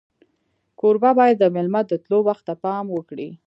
کوربه باید د میلمه د تلو وخت ته پام وکړي.